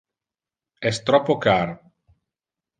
Es troppo car!